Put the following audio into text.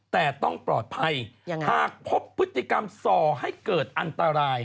แต่ต้องปลอดภัยหากพบพฤติกรรมส่อให้เกิดอันตราย